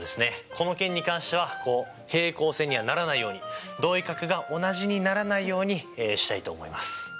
この件に関しては平行線にはならないように同位角が同じにならないようにしたいと思います。